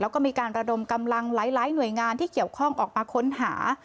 แล้วก็มีการระดมกำลังหลายหน่วยงานที่เกี่ยวข้องออกมาค้นหา